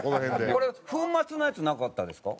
これ粉末のやつなかったですか？